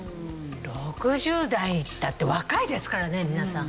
６０代ったって若いですからね皆さん。